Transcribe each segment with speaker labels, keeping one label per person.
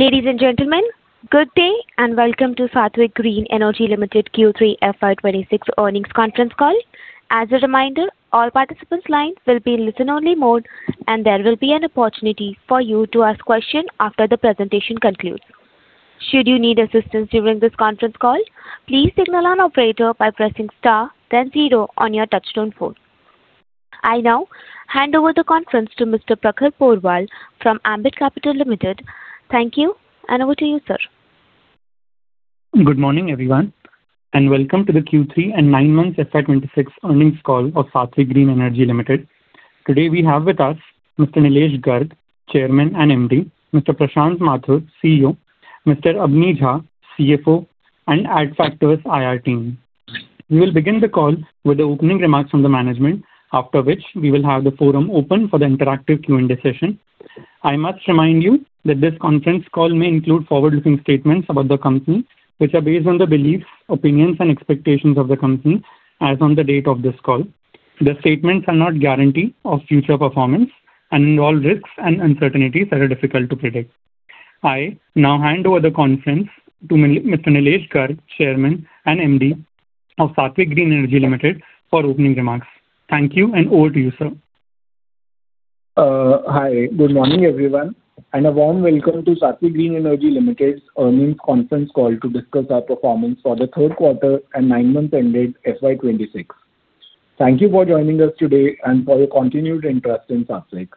Speaker 1: Ladies and gentlemen, good day and welcome to Saatvik Green Energy Limited Q3 FY 2026 earnings conference call. As a reminder, all participants' lines will be in listen-only mode, and there will be an opportunity for you to ask questions after the presentation concludes. Should you need assistance during this conference call, please signal our operator by pressing star, then zero on your touch-tone phone. I now hand over the conference to Mr. Prakhar Porwal from Ambit Capital Private Limited. Thank you, and over to you, sir.
Speaker 2: Good morning, everyone, and welcome to the Q3 and 9-month FY 2026 earnings call of Saatvik Green Energy Limited. Today we have with us Mr. Neelesh Garg, Chairman and MD; Mr. Prashant Mathur, CEO; Mr. Abani Jha, CFO; and Adfactors IR team. We will begin the call with the opening remarks from the management, after which we will have the forum open for the interactive Q&A session. I must remind you that this conference call may include forward-looking statements about the company, which are based on the beliefs, opinions, and expectations of the company as on the date of this call. The statements are not a guarantee of future performance and involve risks and uncertainties that are difficult to predict. I now hand over the conference to Mr. Neelesh Garg, Chairman and MD of Saatvik Green Energy Limited for opening remarks. Thank you, and over to you, sir.
Speaker 3: Hi, good morning, everyone, and a warm welcome to Saatvik Green Energy Limited's earnings conference call to discuss our performance for the third quarter and 9-month ended FY 2026. Thank you for joining us today and for your continued interest in Saatvik.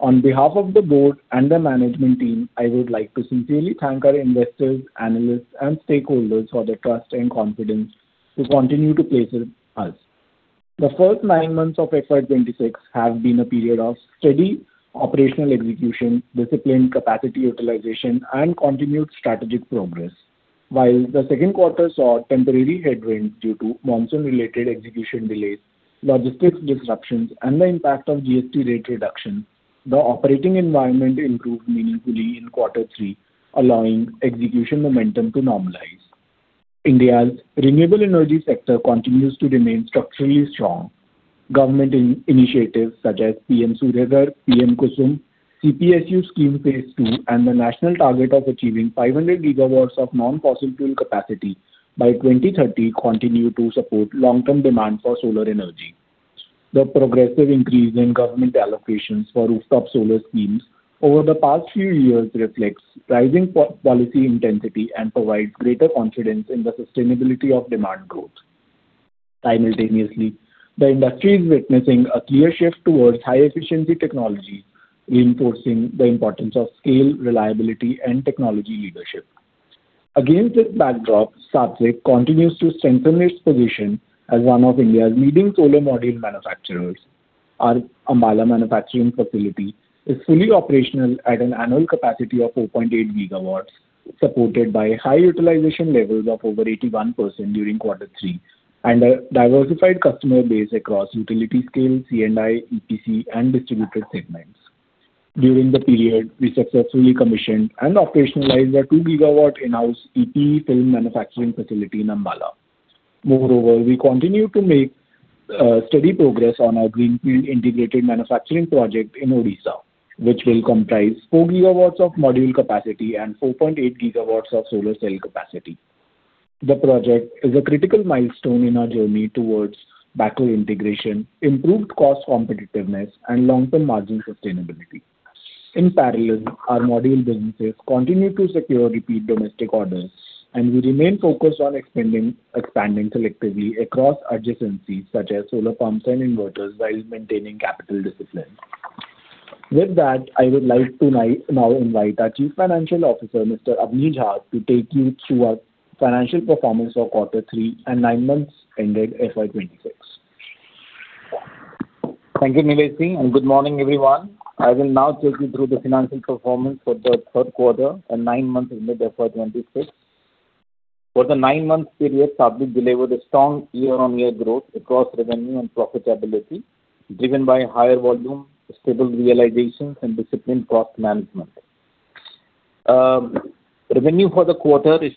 Speaker 3: On behalf of the board and the management team, I would like to sincerely thank our investors, analysts, and stakeholders for their trust and confidence to continue to place with us. The first 9 months of FY 2026 have been a period of steady operational execution, disciplined capacity utilization, and continued strategic progress. While the second quarter saw temporary headwinds due to monsoon-related execution delays, logistics disruptions, and the impact of GST rate reduction, the operating environment improved meaningfully in quarter three, allowing execution momentum to normalize. India's renewable energy sector continues to remain structurally strong. Government initiatives such as PM Surya Ghar, PM Kusum, CPSU scheme phase two, and the national target of achieving 500 GW of non-fossil fuel capacity by 2030 continue to support long-term demand for solar energy. The progressive increase in government allocations for rooftop solar schemes over the past few years reflects rising policy intensity and provides greater confidence in the sustainability of demand growth. Simultaneously, the industry is witnessing a clear shift towards high-efficiency technologies, reinforcing the importance of scale, reliability, and technology leadership. Against this backdrop, Saatvik continues to strengthen its position as one of India's leading solar module manufacturers. Our Ambala manufacturing facility is fully operational at an annual capacity of 4.8 GW, supported by high utilization levels of over 81% during quarter three, and a diversified customer base across utility scale, C&I, EPC, and distributed segments. During the period, we successfully commissioned and operationalized our 2 GW in-house EVA film manufacturing facility in Ambala. Moreover, we continue to make steady progress on our greenfield integrated manufacturing project in Odisha, which will comprise 4 GW of module capacity and 4.8 GW of solar cell capacity. The project is a critical milestone in our journey towards backward integration, improved cost competitiveness, and long-term margin sustainability. In parallel, our module businesses continue to secure repeat domestic orders, and we remain focused on expanding selectively across adjacencies such as solar pumps and inverters while maintaining capital discipline. With that, I would like to now invite our Chief Financial Officer, Mr. Abani Jha, to take you through our financial performance for quarter three and 9 months ended FY 2026.
Speaker 4: Thank you, Neelesh, and good morning, everyone. I will now take you through the financial performance for the third quarter and 9 months ended FY 2026. For the 9-month period, Saatvik delivered a strong year-on-year growth across revenue and profitability, driven by higher volume, stable realizations, and disciplined cost management. Revenue for the quarter is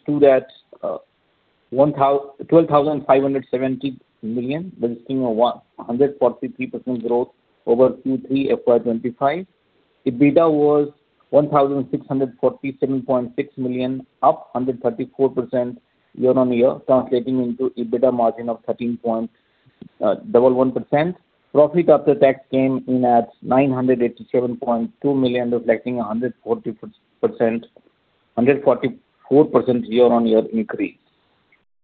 Speaker 4: 21,570 million, registering a 143% growth over Q3 FY 2025. EBITDA was INR 1,647.6 million, up 134% year-on-year, translating into EBITDA margin of 13.11%. Profit after tax came in at 987.2 million, reflecting a 144% year-on-year increase.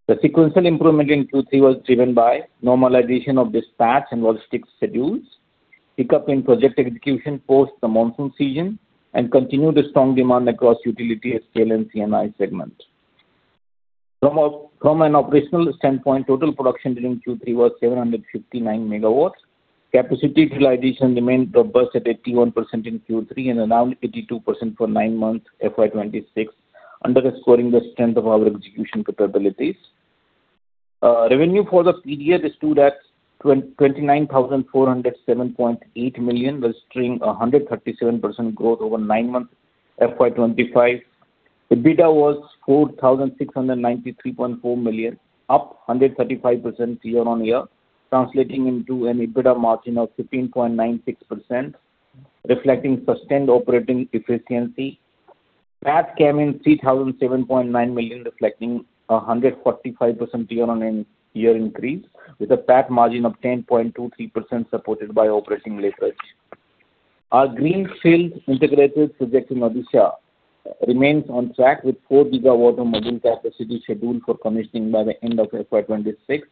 Speaker 4: The sequential improvement in Q3 was driven by normalization of dispatch and logistics schedules, pickup in project execution post the monsoon season, and continued strong demand across utility scale and C&I segments. From an operational standpoint, total production during Q3 was 759 MW. Capacity utilization remained robust at 81% in Q3 and around 82% for 9-month FY 2026, underscoring the strength of our execution capabilities. Revenue for the period is 229,407.8 million, registering a 137% growth over 9-month FY 2025. EBITDA was INR 4,693.4 million, up 135% year-on-year, translating into an EBITDA margin of 15.96%, reflecting sustained operating efficiency. PAT came in 3,007.9 million, reflecting a 145% year-on-year increase, with a PAT margin of 10.23% supported by operating leverage. Our greenfield integrated project in Odisha remains on track with 4 GW of module capacity scheduled for commissioning by the end of FY 2026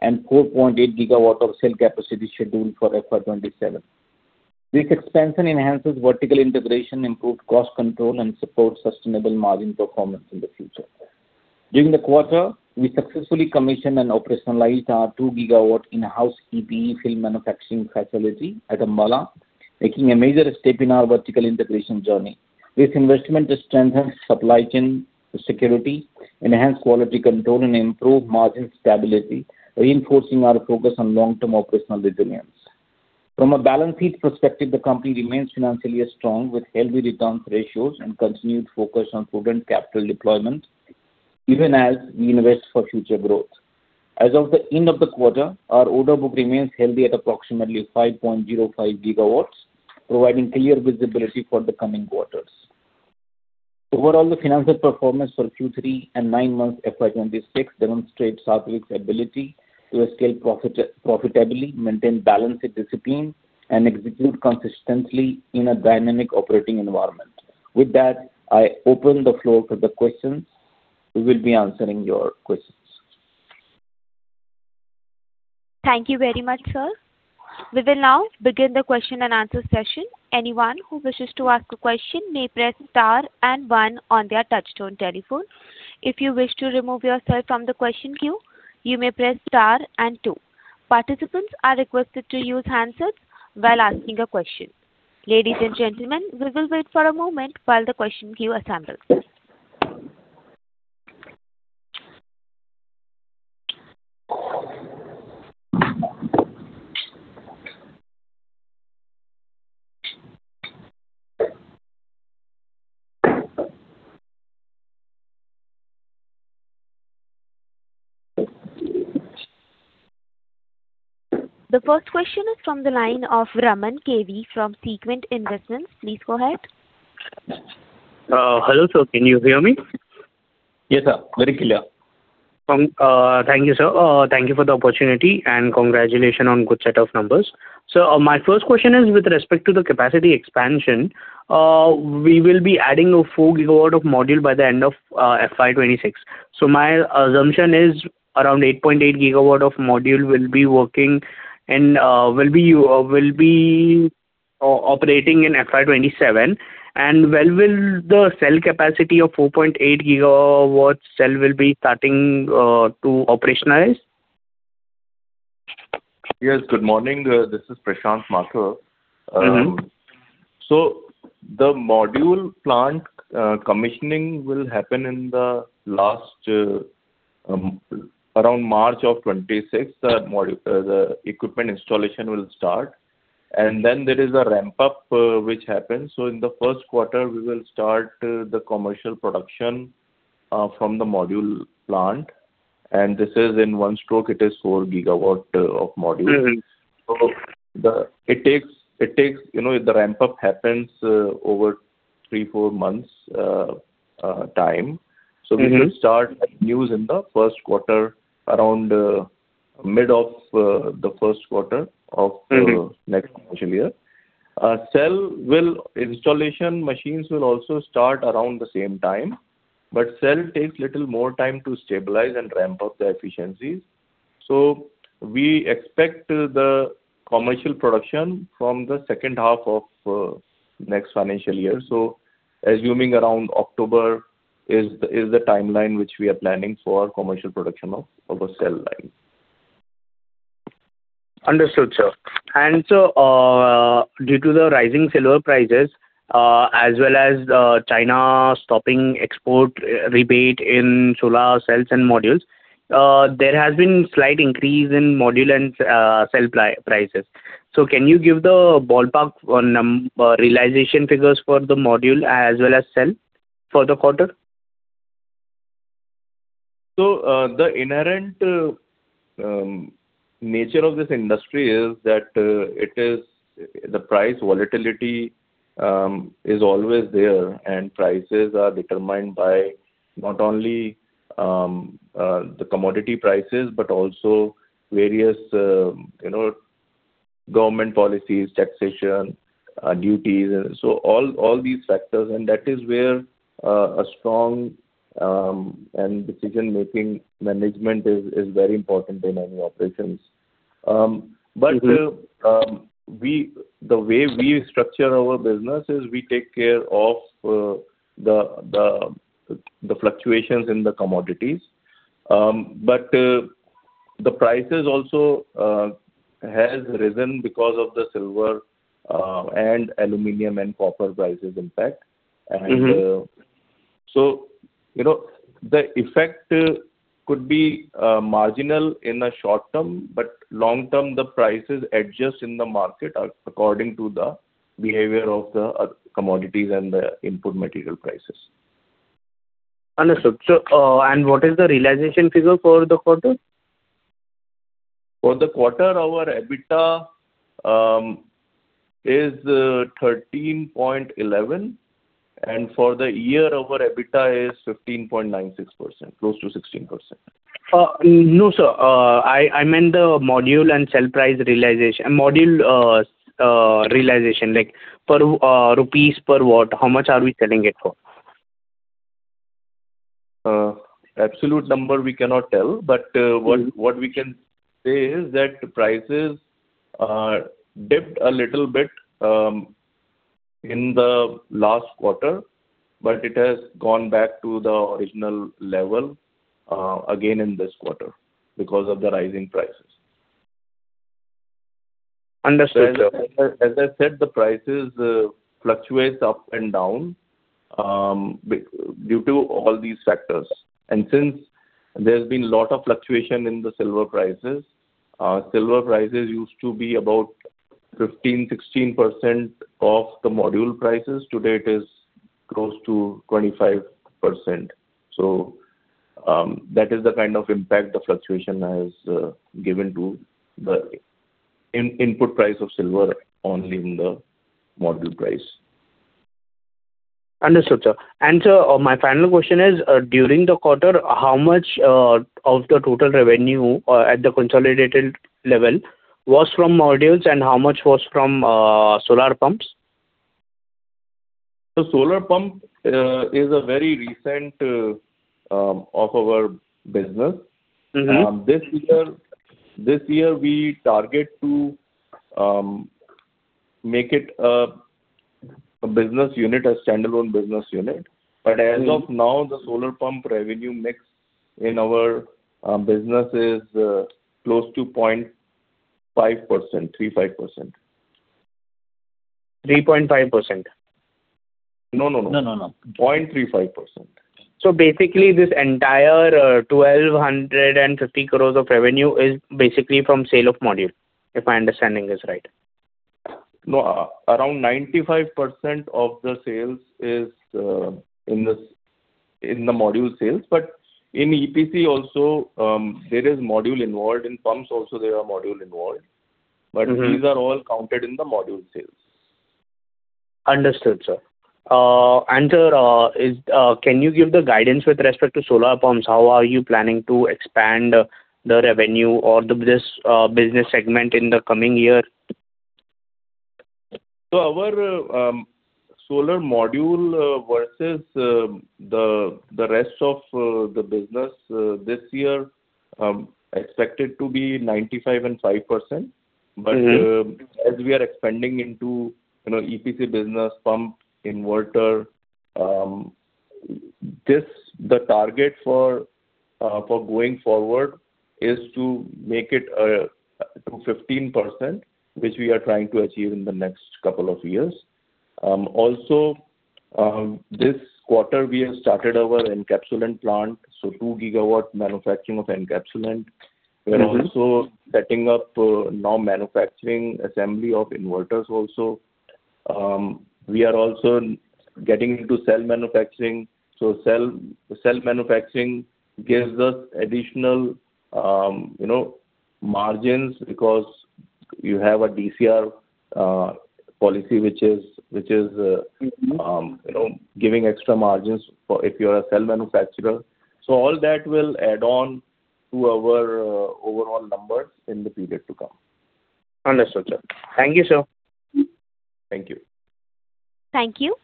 Speaker 4: and 4.8 GW of cell capacity scheduled for FY 2027. This expansion enhances vertical integration, improved cost control, and supports sustainable margin performance in the future. During the quarter, we successfully commissioned and operationalized our 2 GW in-house EPE film manufacturing facility at Ambala, making a major step in our vertical integration journey. This investment strengthens supply chain security, enhances quality control, and improves margin stability, reinforcing our focus on long-term operational resilience. From a balance sheet perspective, the company remains financially strong with healthy returns ratios and continued focus on prudent capital deployment, even as we invest for future growth. As of the end of the quarter, our order book remains healthy at approximately 5.05 gigawatts, providing clear visibility for the coming quarters. Overall, the financial performance for Q3 and 9-month FY 2026 demonstrates Saatvik's ability to scale profitably, maintain balance in discipline, and execute consistently in a dynamic operating environment. With that, I open the floor for the questions. We will be answering your questions.
Speaker 1: Thank you very much, sir. We will now begin the question-and-answer session. Anyone who wishes to ask a question may press star and one on their touch-tone telephone. If you wish to remove yourself from the question queue, you may press star and two. Participants are requested to use the handset while asking a question. Ladies and gentlemen, we will wait for a moment while the question queue assembles. The first question is from the line of Raman V.K. from Sequent Investments. Please go ahead.
Speaker 5: Hello, sir. Can you hear me?
Speaker 6: Yes, sir. Very clear.
Speaker 5: Thank you, sir. Thank you for the opportunity, and congratulations on a good set of numbers. My first question is with respect to the capacity expansion. We will be adding a 4 GW of module by the end of FY 2026. My assumption is around 8.8 gigawatt of module will be working and will be operating in FY 2027. When will the cell capacity of 4.8 GW cell be starting to operationalize?
Speaker 6: Yes, good morning. This is Prashant Mathur. So the module plant commissioning will happen in the last around March of 2026. The equipment installation will start. And then there is a ramp-up which happens. So in the first quarter, we will start the commercial production from the module plant. And this is in one stroke, it is 4 GW of module. So it takes the ramp-up happens over 3-4 months' time. So we should start in the first quarter, around mid of the first quarter of the next financial year. Installation machines will also start around the same time, but cell takes a little more time to stabilize and ramp up the efficiencies. So we expect the commercial production from the second half of next financial year. So assuming around October is the timeline which we are planning for commercial production of our cell line. Understood, sir.
Speaker 5: Due to the rising silver prices, as well as China stopping export rebate in solar cells and modules, there has been a slight increase in module and cell prices. Can you give the ballpark realization figures for the module as well as cell for the quarter? The inherent nature of this industry is that the price volatility is always there, and prices are determined by not only the commodity prices but also various government policies, taxation, duties. All these factors, and that is where a strong decision-making management is very important in any operations. But the way we structure our business is we take care of the fluctuations in the commodities. But the prices also have risen because of the silver and aluminum and copper prices impact. So the effect could be marginal in the short term, but long term, the prices adjust in the market according to the behavior of the commodities and the input material prices. Understood. What is the realization figure for the quarter? For the quarter, our EBITDA is 13.11%, and for the year, our EBITDA is 15.96%, close to 16%. No, sir. I meant the module and cell price realization. Module realization per rupee per watt, how much are we selling it for? Absolute number, we cannot tell. But what we can say is that prices dipped a little bit in the last quarter, but it has gone back to the original level again in this quarter because of the rising prices. Understood. As I said, the prices fluctuate up and down due to all these factors. And since there's been a lot of fluctuation in the silver prices, silver prices used to be about 15%-16% of the module prices. Today, it is close to 25%. So that is the kind of impact the fluctuation has given to the input price of silver only in the module price. Understood, sir. And so my final question is, during the quarter, how much of the total revenue at the consolidated level was from modules, and how much was from solar pumps? So solar pump is a very recent offer of our business. This year, we target to make it a standalone business unit. But as of now, the solar pump revenue mix in our business is close to 0.5%, 35%. 3.5%? No, no, no. 0.35%. So basically, this entire 1,250 crore of revenue is basically from sale of module, if my understanding is right? No, around 95% of the sales is in the module sales. But in EPC also, there is module involved. In pumps also, there are module involved. But these are all counted in the module sales. Understood, sir. And sir, can you give the guidance with respect to solar pumps? How are you planning to expand the revenue or this business segment in the coming year? So our solar module versus the rest of the business this year expected to be 95% and 5%. But as we are expanding into EPC business, pump, inverter, the target for going forward is to make it to 15%, which we are trying to achieve in the next couple of years. Also, this quarter, we have started our encapsulant plant, so 2 GW manufacturing of encapsulant. We are also setting up now manufacturing assembly of inverters also. We are also getting into cell manufacturing. So cell manufacturing gives us additional margins because you have a DCR policy, which is giving extra margins if you are a cell manufacturer. So all that will add on to our overall numbers in the period to come. Understood, sir. Thank you, sir. Thank you.
Speaker 1: Thank you.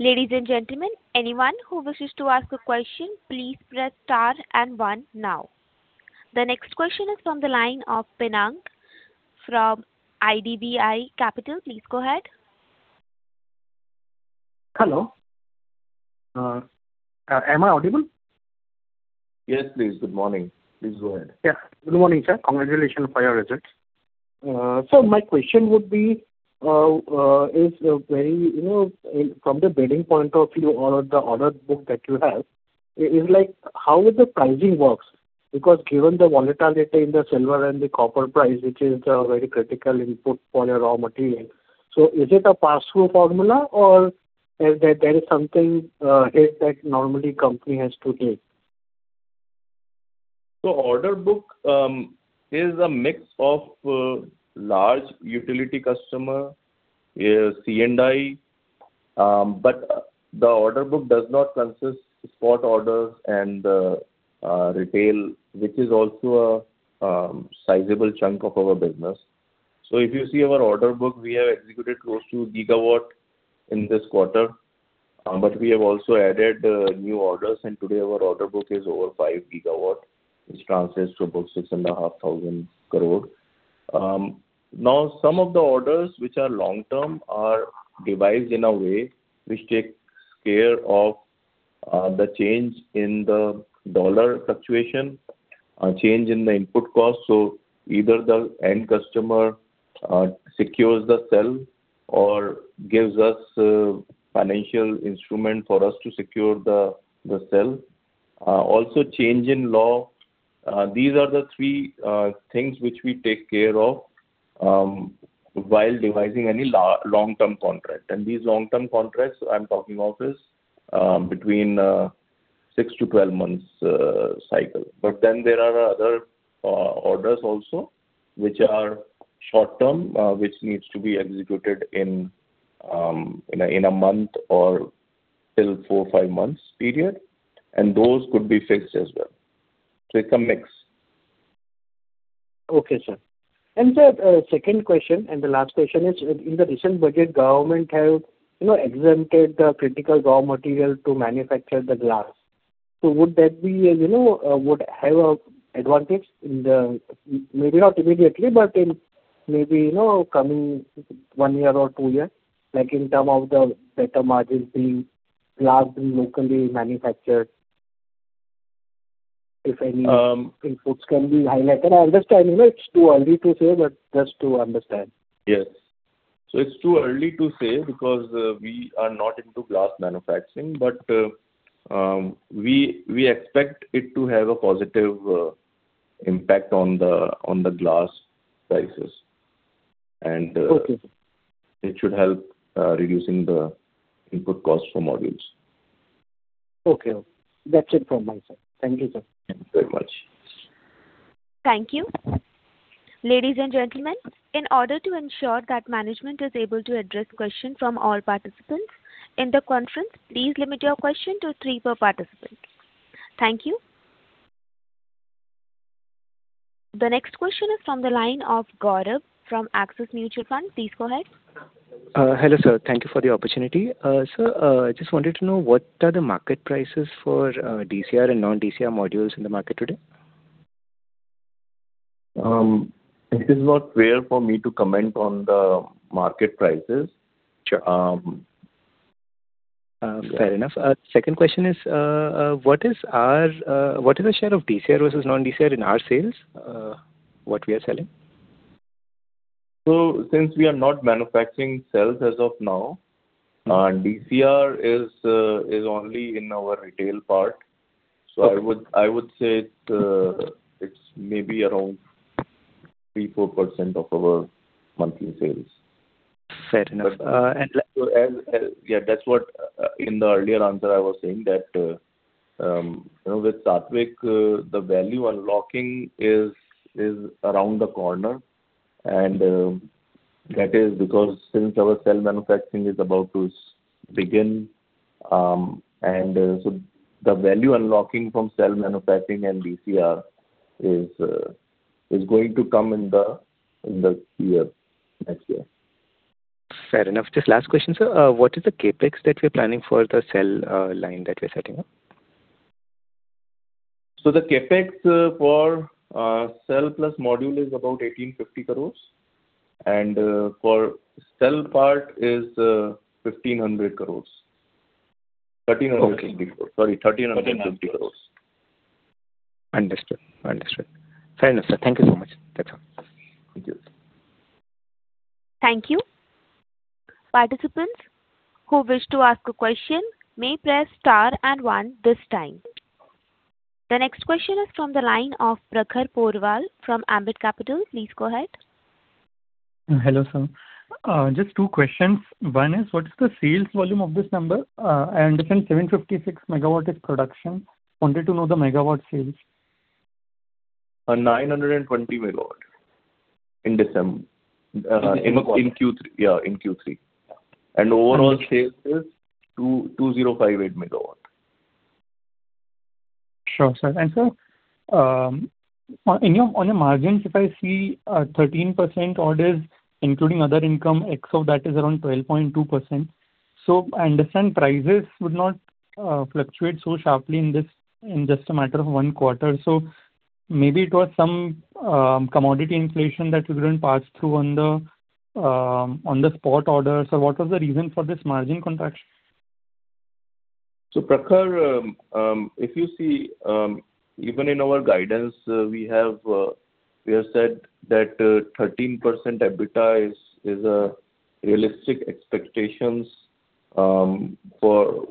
Speaker 1: Ladies and gentlemen, anyone who wishes to ask a question, please press star and one now. The next question is from the line of Pinaki from IDBI Capital. Please go ahead.
Speaker 7: Hello. Am I audible?
Speaker 6: Yes, please. Good morning. Please go ahead.
Speaker 7: Yes. Good morning, sir. Congratulations for your results. Sir, my question would be is very from the bidding point of view or the order book that you have, how the pricing works? Because given the volatility in the silver and the copper price, which is very critical input for your raw material, so is it a pass-through formula, or is there something here that normally a company has to take?
Speaker 6: So order book is a mix of large utility customer, C&I. But the order book does not consist of spot orders and retail, which is also a sizable chunk of our business. So if you see our order book, we have executed close to 1 gigawatt in this quarter. But we have also added new orders. And today, our order book is over 5 GW, which translates to about 6,500 crore. Now, some of the orders, which are long-term, are devised in a way which takes care of the change in the dollar fluctuation, change in the input cost. So either the end customer secures the cell or gives us financial instruments for us to secure the cell. Also, change in law, these are the three things which we take care of while devising any long-term contract. And these long-term contracts, I'm talking of, are between 6-12 months' cycle. There are other orders also which are short-term, which need to be executed in a month or till 4, 5 months' period. Those could be fixed as well. It's a mix.
Speaker 7: Okay, sir. And sir, second question and the last question is, in the recent budget, government have exempted the critical raw material to manufacture the glass. So would that be would have an advantage in the maybe not immediately, but maybe coming one year or two years in terms of the better margins being glass being locally manufactured, if any inputs can be highlighted? I understand it's too early to say, but just to understand.
Speaker 6: Yes. It's too early to say because we are not into glass manufacturing. We expect it to have a positive impact on the glass prices. It should help reducing the input cost for modules.
Speaker 7: Okay. That's it from my side. Thank you, sir.
Speaker 6: Thank you very much.
Speaker 1: Thank you. Ladies and gentlemen, in order to ensure that management is able to address questions from all participants in the conference, please limit your question to three per participant. Thank you. The next question is from the line of Gaurav from Axis Mutual Fund. Please go ahead.
Speaker 8: Hello, sir. Thank you for the opportunity. Sir, I just wanted to know, what are the market prices for DCR and non-DCR modules in the market today?
Speaker 6: This is not fair for me to comment on the market prices.
Speaker 8: Fair enough. Second question is, what is the share of DCR versus non-DCR in our sales, what we are selling?
Speaker 6: So since we are not manufacturing cells as of now, DCR is only in our retail part. So I would say it's maybe around 3%-4% of our monthly sales.
Speaker 8: Fair enough.
Speaker 6: Yeah, that's what in the earlier answer I was saying, that with Saatvik, the value unlocking is around the corner. That is because since our cell manufacturing is about to begin, and so the value unlocking from cell manufacturing and DCR is going to come in the year next year.
Speaker 8: Fair enough. Just last question, sir. What is the CapEx that we are planning for the cell line that we are setting up?
Speaker 6: The CapEx for cell plus module is about 1,850 crores. For cell part, it is 1,300 crores, INR 1,350 crores. Sorry, 1,350 crores.
Speaker 8: Understood. Understood. Fair enough, sir. Thank you so much. That's all.
Speaker 6: Thank you.
Speaker 1: Thank you. Participants who wish to ask a question may press star and one this time. The next question is from the line of Prakhar Porwal from Ambit Capital. Please go ahead.
Speaker 2: Hello, sir. Just two questions. One is, what is the sales volume of this number? I understand 756 MW is production. Wanted to know the megawatt sales.
Speaker 6: 920 MW in December in Q3. Yeah, in Q3. Overall sales is 2,058 MW.
Speaker 2: Sure, sir. And sir, on your margins, if I see 13% orders, including other income, X of that is around 12.2%. So I understand prices would not fluctuate so sharply in just a matter of one quarter. So maybe it was some commodity inflation that we couldn't pass through on the spot orders. So what was the reason for this margin contraction?
Speaker 6: Prakhar, if you see, even in our guidance, we have said that 13% EBITDA is a realistic expectation for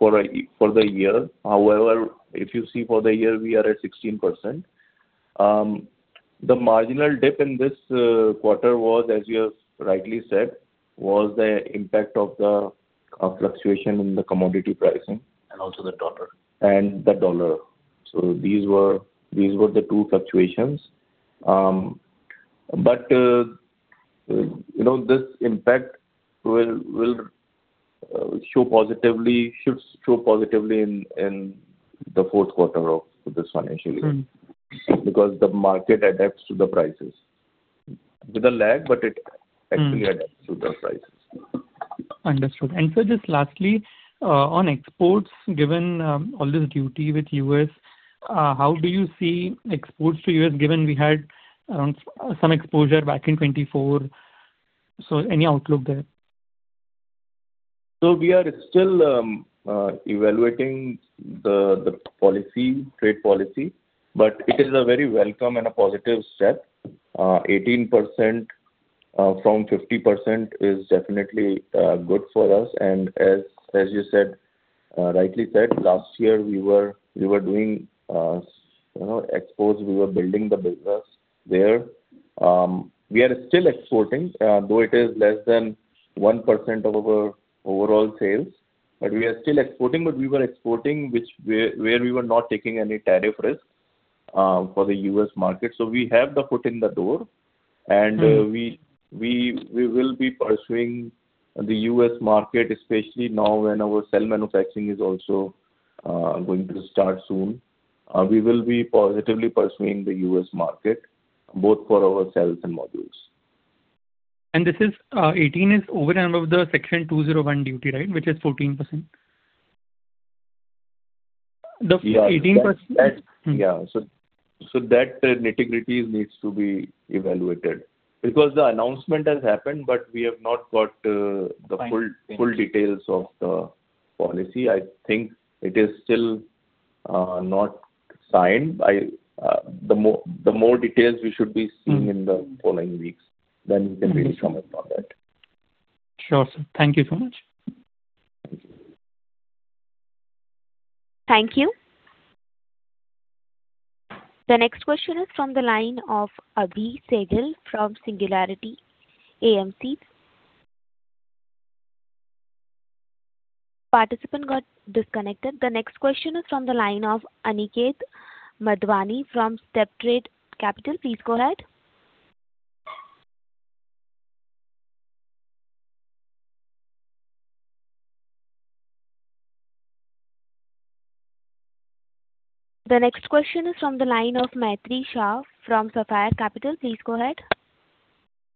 Speaker 6: the year. However, if you see for the year, we are at 16%. The marginal dip in this quarter was, as you have rightly said, the impact of the fluctuation in the commodity pricing.
Speaker 4: Also the US dollar.
Speaker 6: The US dollar. These were the two fluctuations. This impact will show positively in the fourth quarter of this financial year because the market adapts to the prices. With a lag, but it actually adapts to the prices.
Speaker 2: Understood. And sir, just lastly, on exports, given all this duty with the U.S., how do you see exports to the U.S. given we had some exposure back in 2024? So any outlook there?
Speaker 6: So we are still evaluating the trade policy, but it is a very welcome and a positive step. 18%-50% is definitely good for us. And as you rightly said, last year, we were doing exports. We were building the business there. We are still exporting, though it is less than 1% of our overall sales. But we are still exporting, but we were exporting where we were not taking any tariff risk for the U.S. market. So we have the foot in the door, and we will be pursuing the U.S. market, especially now when our cell manufacturing is also going to start soon. We will be positively pursuing the U.S. market, both for our cells and modules.
Speaker 2: 18 is over and above the Section 201 duty, right, which is 14%? The 18%.
Speaker 6: Yeah. So that nitty-gritty needs to be evaluated because the announcement has happened, but we have not got the full details of the policy. I think it is still not signed. The more details we should be seeing in the following weeks, then we can really comment on that.
Speaker 2: Sure, sir. Thank you so much.
Speaker 6: Thank you.
Speaker 1: Thank you. The next question is from the line of Abhi Sehgal from Singularity AMC. Participant got disconnected. The next question is from the line of Aniket Madhwani from Steptrade Capital. Please go ahead. The next question is from the line of Maitri Shah from Sapphire Capital. Please go ahead.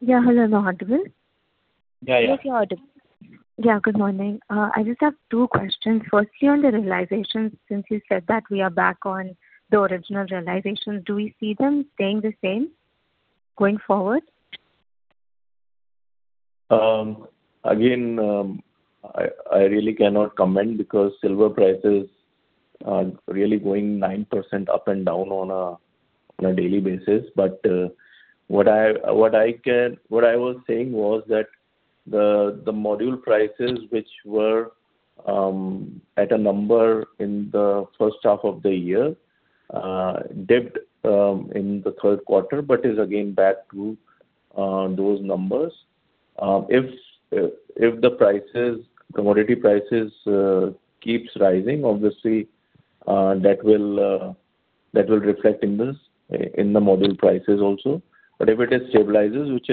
Speaker 9: Yeah. Hello. No, audible?
Speaker 4: Yeah, yeah.
Speaker 9: Yes, you're audible. Yeah. Good morning. I just have two questions. Firstly, on the realizations, since you said that we are back on the original realizations, do we see them staying the same going forward?
Speaker 6: Again, I really cannot comment because silver price is really going 9% up and down on a daily basis. But what I was saying was that the module prices, which were at a number in the first half of the year, dipped in the third quarter but is again back to those numbers. If the commodity prices keep rising, obviously, that will reflect in the module prices also. But if it stabilizes, which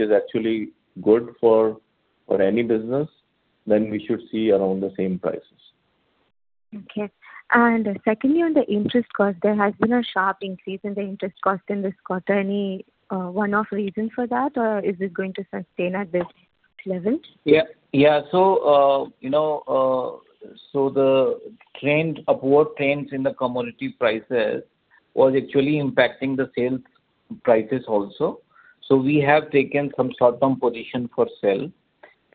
Speaker 6: is actually good for any business, then we should see around the same prices.
Speaker 9: Okay. Secondly, on the interest cost, there has been a sharp increase in the interest cost in this quarter. Any one-off reason for that, or is it going to sustain at this level?
Speaker 6: Yeah. Yeah. So the upward trends in the commodity prices were actually impacting the sales prices also. So we have taken some short-term position for sell.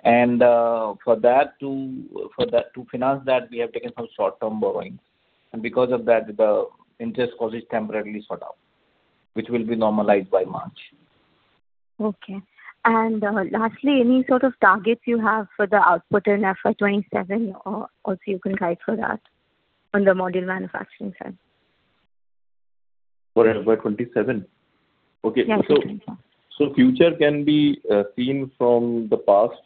Speaker 6: And for that to finance that, we have taken some short-term borrowings. And because of that, the interest cost is temporarily sorted out, which will be normalized by March.
Speaker 9: Okay. Lastly, any sort of targets you have for the output in FY 2027 or also you can guide for that on the module manufacturing side?
Speaker 6: For FY 2027? Okay. So future can be seen from the past.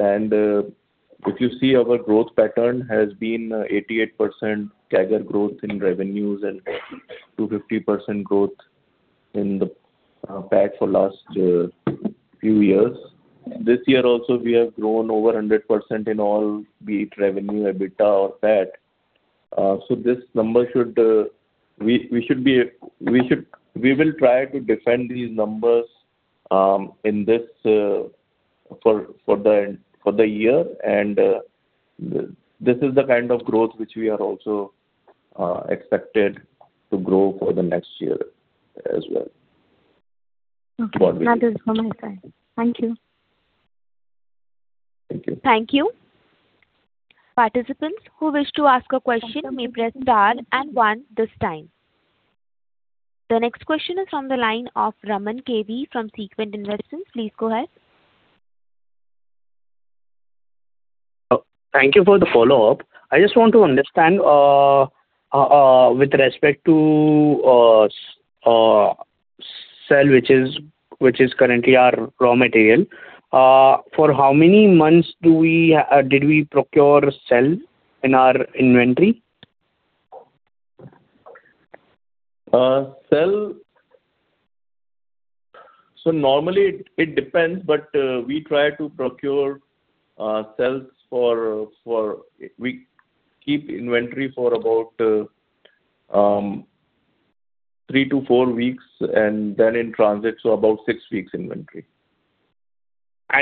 Speaker 6: And if you see our growth pattern has been 88% CAGR growth in revenues and 250% growth in the PAT for the last few years. This year also, we have grown over 100% in all be it revenue, EBITDA, or PAT. So this number should we should be we will try to defend these numbers for the year. And this is the kind of growth which we are also expected to grow for the next year as well.
Speaker 9: Okay. That is from my side. Thank you.
Speaker 6: Thank you.
Speaker 1: Thank you. Participants who wish to ask a question may press star and one this time. The next question is from the line of Raman V.K. from Sequent Investments. Please go ahead.
Speaker 5: Thank you for the follow-up. I just want to understand with respect to cell, which is currently our raw material, for how many months did we procure cell in our inventory?
Speaker 6: So normally, it depends, but we try to procure cells for we keep inventory for about 3-4 weeks, and then in transit, so about 6 weeks inventory.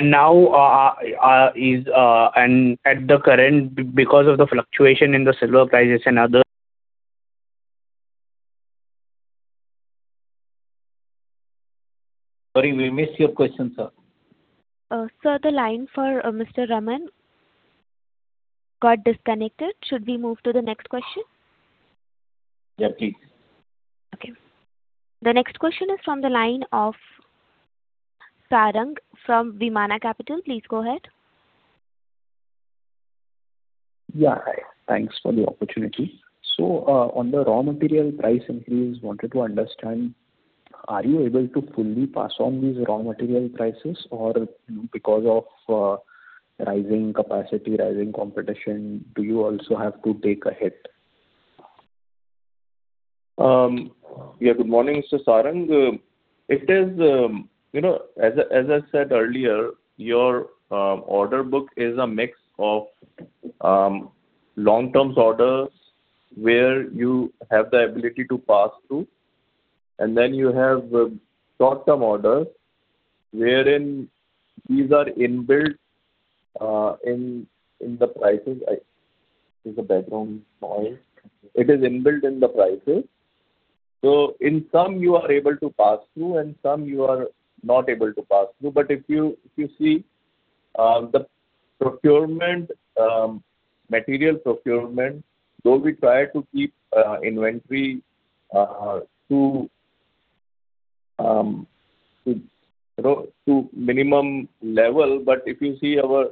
Speaker 5: Now, as at the current because of the fluctuation in the silver prices and other.
Speaker 6: Sorry, we missed your question, sir.
Speaker 1: Sir, the line for Mr. Raman got disconnected. Should we move to the next question?
Speaker 4: Yeah, please.
Speaker 1: Okay. The next question is from the line of Sarang from Vimana Capital. Please go ahead.
Speaker 10: Yeah. Hi. Thanks for the opportunity. So on the raw material price increase, wanted to understand, are you able to fully pass on these raw material prices, or because of rising capacity, rising competition, do you also have to take a hit?
Speaker 6: Yeah. Good morning, Mr. Sarang. It is, as I said earlier, your order book is a mix of long-term orders where you have the ability to pass through, and then you have short-term orders wherein these are inbuilt in the prices. Is the background noise? It is inbuilt in the prices. So in some, you are able to pass through, and some, you are not able to pass through. But if you see the material procurement, though we try to keep inventory to minimum level, but if you see our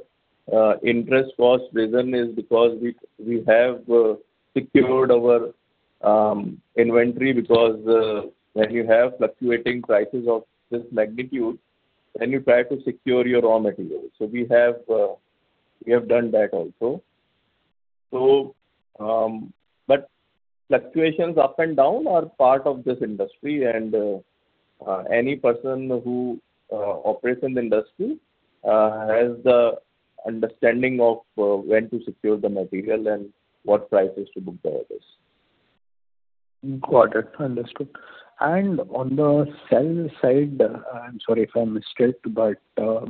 Speaker 6: interest cost reason is because we have secured our inventory because when you have fluctuating prices of this magnitude, then you try to secure your raw materials. So we have done that also. But fluctuations up and down are part of this industry. Any person who operates in the industry has the understanding of when to secure the material and what prices to book the orders.
Speaker 10: Got it. Understood. And on the cell side, I'm sorry if I missed it, but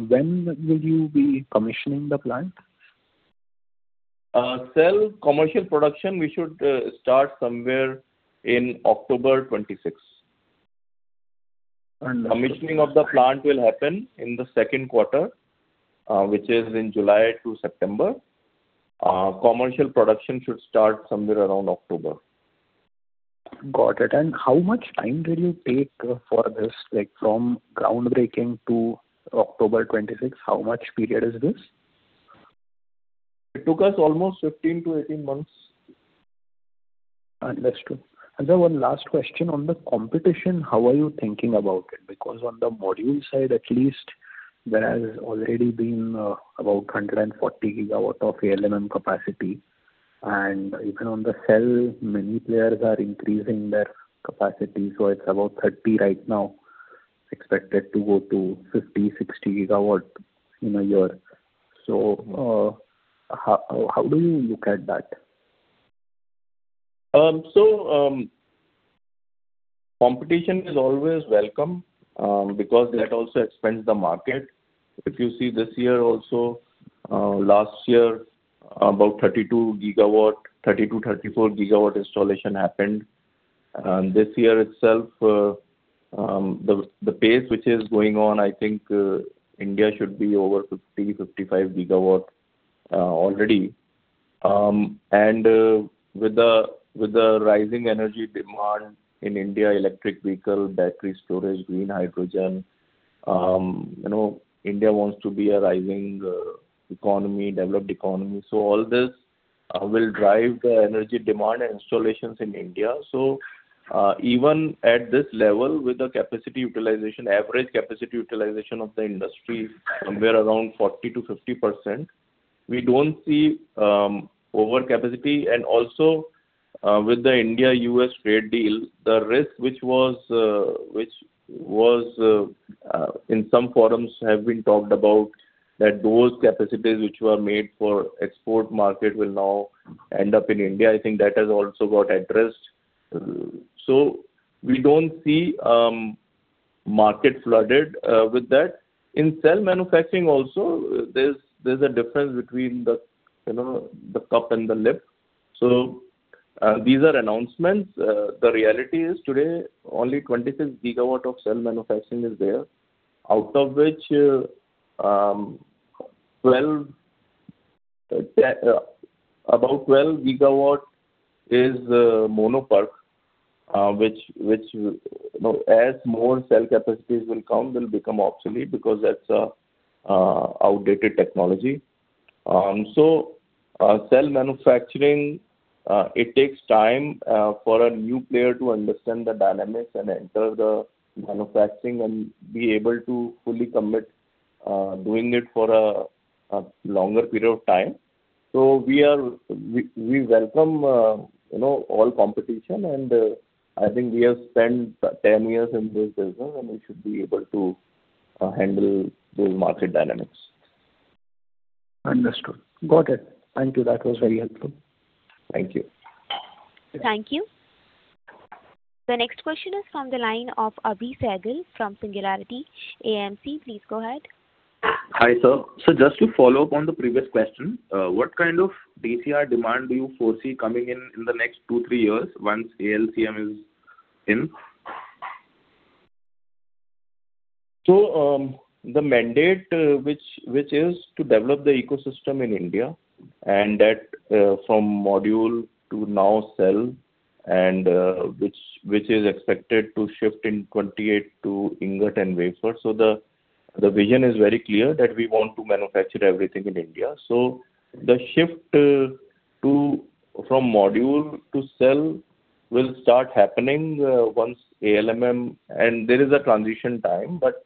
Speaker 10: when will you be commissioning the plant?
Speaker 6: Cell commercial production, we should start somewhere in October 2026. Commissioning of the plant will happen in the second quarter, which is in July to September. Commercial production should start somewhere around October.
Speaker 10: Got it. How much time did you take for this? From groundbreaking to October 2026, how much period is this?
Speaker 6: It took us almost 15-18 months.
Speaker 10: Understood. Sir, one last question. On the competition, how are you thinking about it? Because on the module side, at least, there has already been about 140 GW of ALMM capacity. Even on the cell, many players are increasing their capacity. It's about 30 GW right now, expected to go to 50-60 GW in a year. How do you look at that?
Speaker 6: So competition is always welcome because that also expands the market. If you see this year also, last year, about 32-34 GW installation happened. This year itself, the pace which is going on, I think India should be over 50-55 GW already. And with the rising energy demand in India, electric vehicle, battery storage, green hydrogen, India wants to be a rising developed economy. So all this will drive the energy demand and installations in India. So even at this level, with the average capacity utilization of the industry, somewhere around 40%-50%, we don't see overcapacity. And also with the India-US trade deal, the risk which was, in some forums, has been talked about, that those capacities which were made for export market will now end up in India. I think that has also got addressed. So we don't see market flooded with that. In cell manufacturing also, there's a difference between the cup and the lip. So these are announcements. The reality is today, only 26 GW of cell manufacturing is there, out of which about 12 GW is mono PERC, which as more cell capacities will count, will become obsolete because that's an outdated technology. So cell manufacturing, it takes time for a new player to understand the dynamics and enter the manufacturing and be able to fully commit doing it for a longer period of time. So we welcome all competition. And I think we have spent 10 years in this business, and we should be able to handle those market dynamics.
Speaker 10: Understood. Got it. Thank you. That was very helpful.
Speaker 6: Thank you.
Speaker 1: Thank you. The next question is from the line of Abhi Sehgal from Singularity AMC. Please go ahead.
Speaker 11: Hi, sir. So just to follow up on the previous question, what kind of DCR demand do you foresee coming in the next 2-3 years once ALMM is in?
Speaker 6: So the mandate, which is to develop the ecosystem in India and from module to now cell, and which is expected to shift in 2028 to ingot and wafer. So the vision is very clear that we want to manufacture everything in India. So the shift from module to cell will start happening once ALMM. And there is a transition time. But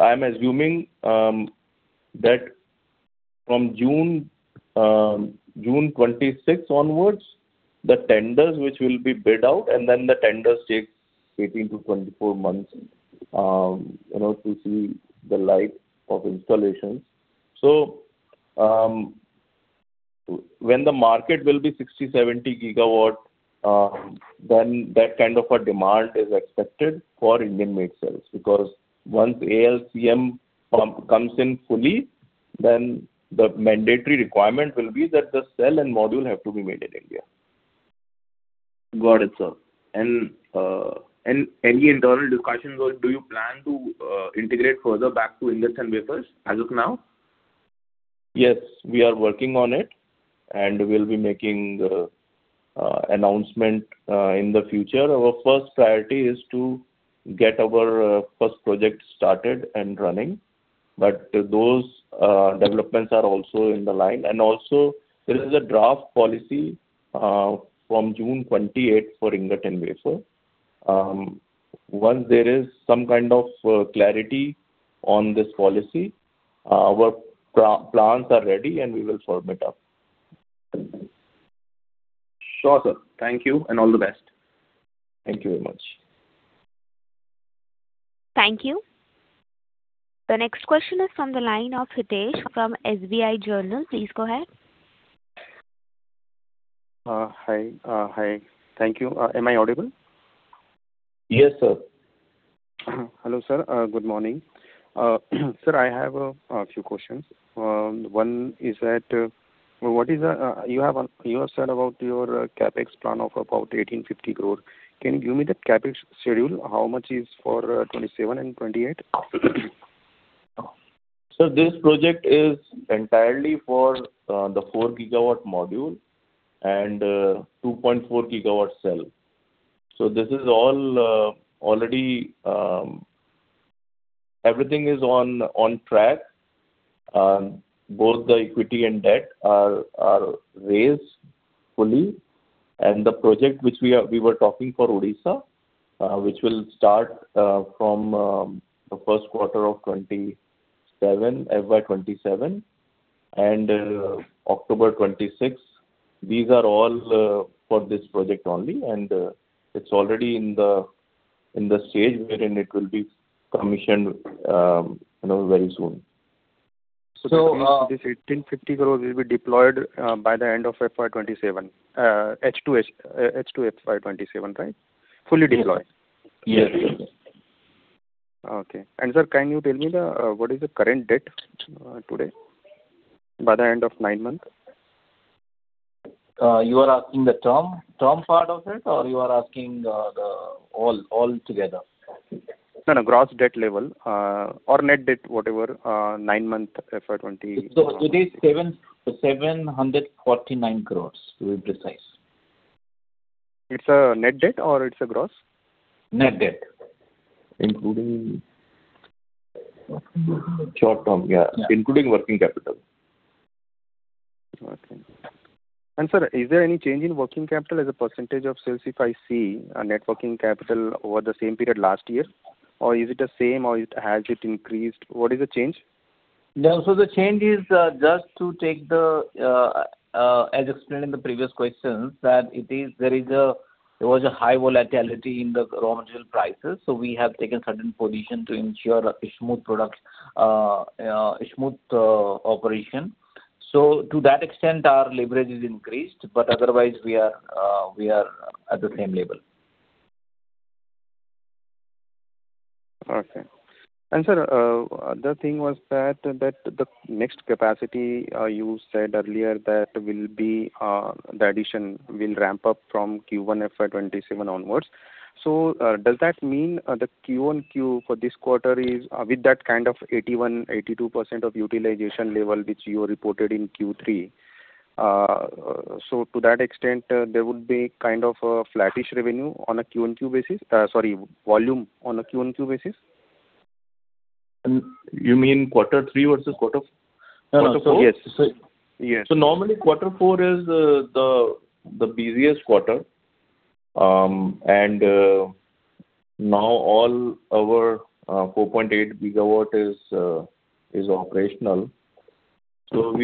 Speaker 6: I'm assuming that from June 2026 onwards, the tenders which will be bid out, and then the tenders take 18-24 months to see the light of installations. So when the market will be 60-70 GW, then that kind of a demand is expected for Indian-made cells. Because once ALMM comes in fully, then the mandatory requirement will be that the cell and module have to be made in India.
Speaker 11: Got it, sir. Any internal discussions, or do you plan to integrate further back to ingots and wafers as of now?
Speaker 6: Yes. We are working on it and will be making announcement in the future. Our first priority is to get our first project started and running. But those developments are also in line. And also, there is a draft policy from June 2028 for ingots and wafers. Once there is some kind of clarity on this policy, our plans are ready, and we will firm it up.
Speaker 11: Sure, sir. Thank you and all the best.
Speaker 6: Thank you very much.
Speaker 1: Thank you. The next question is from the line of Hitesh from SBI General. Please go ahead.
Speaker 12: Hi. Hi. Thank you. Am I audible?
Speaker 6: Yes, sir.
Speaker 12: Hello, sir. Good morning. Sir, I have a few questions. One is that what is you have said about your CapEx plan of about 1,850 crore. Can you give me the CapEx schedule? How much is for 2027 and 2028?
Speaker 6: This project is entirely for the 4 GW module and 2.4 GW cell. This is all already everything is on track. Both the equity and debt are raised fully. The project which we were talking for Odisha, which will start from the first quarter of 2027, FY 2027, and October 2026, these are all for this project only. It's already in the stage wherein it will be commissioned very soon.
Speaker 12: This 1,850 crore will be deployed by the end of FY 2027, H2 FY 2027, right? Fully deployed?
Speaker 6: Yes. Yes. Yes.
Speaker 12: Okay. Sir, can you tell me what is the current debt today by the end of nine months?
Speaker 6: You are asking the term part of it, or you are asking all together?
Speaker 12: No, no. Gross debt level or net debt, whatever, 9-month FY 2020.
Speaker 6: Today, 749 crores, to be precise.
Speaker 12: It's a net debt, or it's a gross?
Speaker 6: Net debt.
Speaker 4: Including short term, yeah, including working capital.
Speaker 12: Okay. Sir, is there any change in working capital as a percentage of sales if I see net working capital over the same period last year, or is it the same, or has it increased? What is the change?
Speaker 6: No. So the change is just to take the, as explained in the previous questions, that there was a high volatility in the raw material prices. So we have taken certain positions to ensure a smooth operation. So to that extent, our leverage is increased. But otherwise, we are at the same level.
Speaker 12: Okay. And sir, the thing was that the next capacity, you said earlier that the addition will ramp up from Q1 FY 2027 onwards. So does that mean the Q1Q for this quarter is with that kind of 81%-82% of utilization level which you reported in Q3? So to that extent, there would be kind of a flattish revenue on a Q1Q basis sorry, volume on a Q1Q basis?
Speaker 6: You mean quarter three versus quarter four?
Speaker 12: No, no. Yes.
Speaker 6: Yes. So normally, quarter four is the busiest quarter. And now all our 4.8 GW is operational. So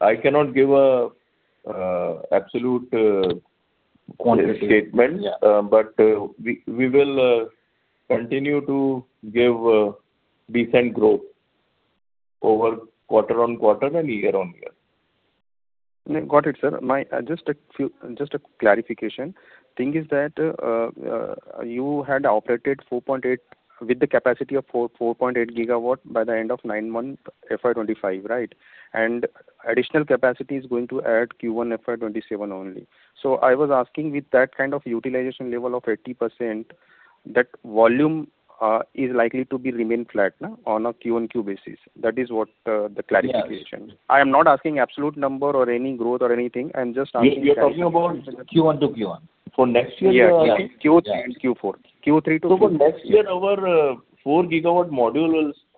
Speaker 6: I cannot give an absolute statement, but we will continue to give decent growth quarter-on-quarter and year-on-year.
Speaker 12: Got it, sir. Just a clarification. Thing is that you had operated with the capacity of 4.8 GW by the end of nine months, FY 2025, right? And additional capacity is going to add Q1 FY 2027 only. So I was asking, with that kind of utilization level of 80%, that volume is likely to remain flat on a Q1Q basis. That is what the clarification. I am not asking absolute number or any growth or anything. I'm just asking that.
Speaker 6: You're talking about Q1 to Q1 for next year?
Speaker 12: Yes, Q3 and Q4. Q3 to Q4.
Speaker 6: For next year, our 4 GW module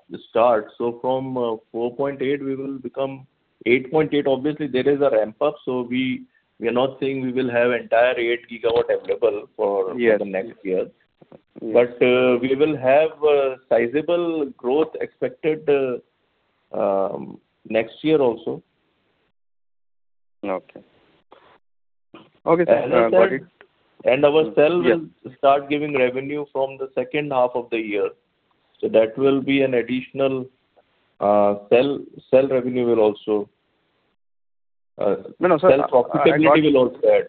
Speaker 6: will start. From 4.8, we will become 8.8. Obviously, there is a ramp-up. We are not saying we will have entire 8 GW available for the next year. But we will have sizable growth expected next year also.
Speaker 12: Okay. Okay, sir. Got it.
Speaker 6: Our cell will start giving revenue from the second half of the year. That will be an additional cell revenue will also cell profitability will also add.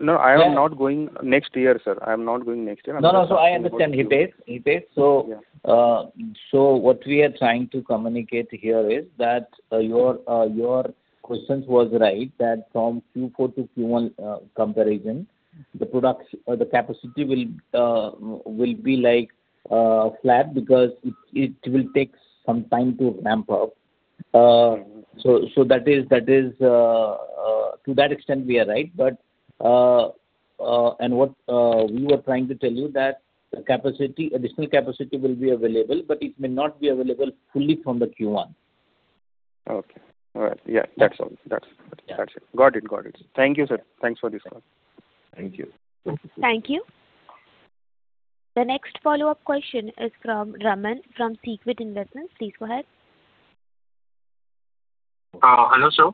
Speaker 12: No, I am not going next year, sir. I am not going next year. I'm not going.
Speaker 6: No, no. So I understand. He pays. He pays. So what we are trying to communicate here is that your question was right, that from Q4 to Q1 comparison, the capacity will be flat because it will take some time to ramp up. So that is to that extent, we are right. And what we were trying to tell you, that additional capacity will be available, but it may not be available fully from the Q1.
Speaker 12: Okay. All right. Yeah. That's all. That's it. Got it. Got it. Thank you, sir. Thanks for this call.
Speaker 6: Thank you.
Speaker 1: Thank you. The next follow-up question is from Raman from Sequent Investments. Please go ahead.
Speaker 5: Hello, sir.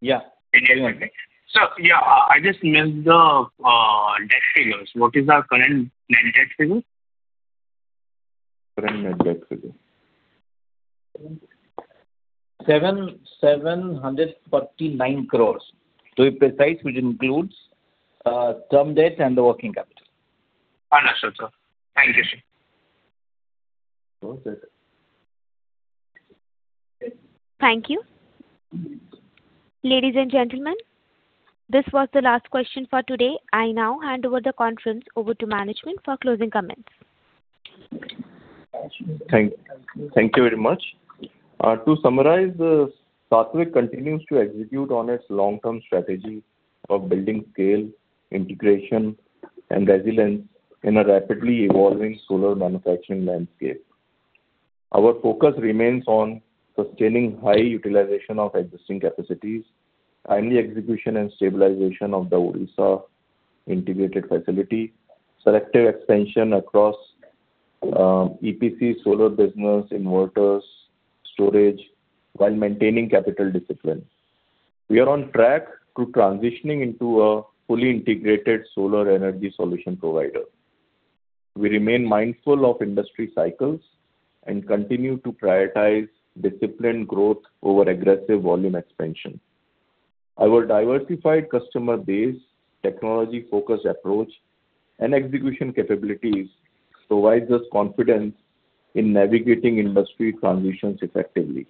Speaker 5: Yeah. Can you hear me okay? So, yeah, I just missed the debt figures. What is our current net debt figure?
Speaker 6: Current net debt figure? 749 crore, to be precise, which includes term debt and the working capital.
Speaker 5: Understood, sir. Thank you, sir.
Speaker 6: Got it.
Speaker 1: Thank you. Ladies and gentlemen, this was the last question for today. I now hand over the conference to management for closing comments.
Speaker 6: Thank you very much. To summarize, Saatvik continues to execute on its long-term strategy of building scale, integration, and resilience in a rapidly evolving solar manufacturing landscape. Our focus remains on sustaining high utilization of existing capacities, timely execution and stabilization of the Odisha integrated facility, selective expansion across EPC solar business, inverters, storage, while maintaining capital discipline. We are on track to transitioning into a fully integrated solar energy solution provider. We remain mindful of industry cycles and continue to prioritize disciplined growth over aggressive volume expansion. Our diversified customer base, technology-focused approach, and execution capabilities provide us confidence in navigating industry transitions effectively.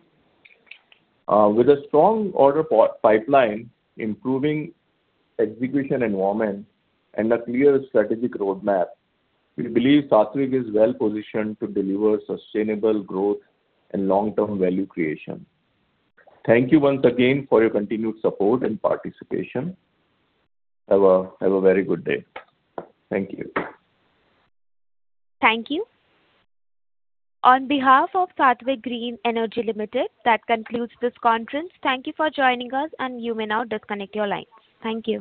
Speaker 6: With a strong order pipeline, improving execution environment, and a clear strategic roadmap, we believe Saatvik is well-positioned to deliver sustainable growth and long-term value creation. Thank you once again for your continued support and participation. Have a very good day. Thank you.
Speaker 1: Thank you. On behalf of Saatvik Green Energy Limited, that concludes this conference. Thank you for joining us, and you may now disconnect your lines. Thank you.